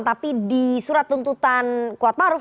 tapi di surat tuntutan kuatmaruf